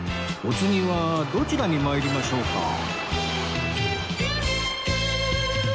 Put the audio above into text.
お次はどちらに参りましょうか？